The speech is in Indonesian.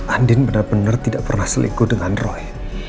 andin benar benar tidak pernah selingkuh dengan roy